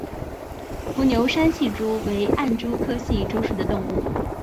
伏牛山隙蛛为暗蛛科隙蛛属的动物。